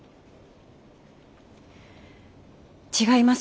違います。